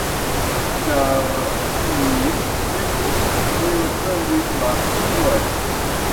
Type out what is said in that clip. Ĉar ŝi ne volis reofendi la Gliron.